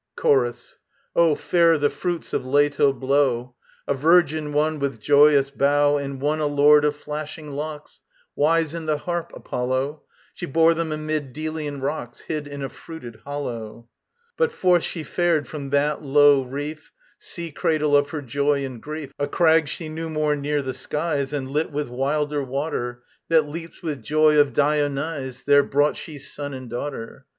] CHORUS. [STROPHE.] Oh, fair the fruits of Leto blow: A Virgin, one, with joyous bow, And one a Lord of flashing locks, Wise in the harp, Apollo: She bore them amid Delian rocks, Hid in a fruited hollow. But forth she fared from that low reef, Sea cradle of her joy and grief. A crag she knew more near the skies And lit with wilder water, That leaps with joy of Dionyse: There brought she son and daughter.